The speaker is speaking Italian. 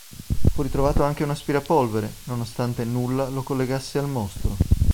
Fu ritrovato anche un aspirapolvere, nonostante nulla lo collegasse al "Mostro".